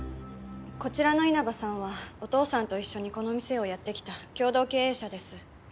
こちらの稲葉さんはお父さんと一緒にこの店をやってきた共同経営者です。